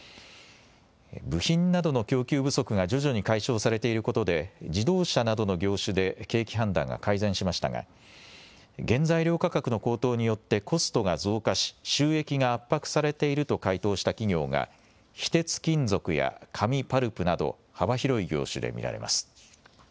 部品などの供給不足が徐々に解消されていることで、自動車などの業種で景気判断が改善しましたが、原材料価格の高騰によってコストが増加し、収益が圧迫されていると回答した企業が非鉄金属や紙・パルプなど、幅広い業種で見られます。